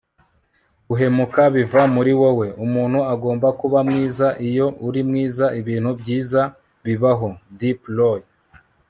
guhumeka biva muri wowe. umuntu agomba kuba mwiza. iyo uri mwiza, ibintu byiza bibaho. - deep roy